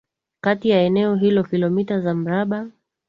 Kati ya eneo hilo Kilomita za mraba